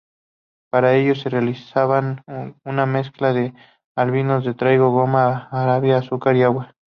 Para ello, realizaban una mezcla de almidón de trigo, goma arábiga, azúcar y agua.